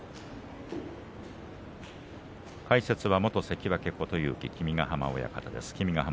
解説は元関脇琴勇輝君ヶ濱親方です。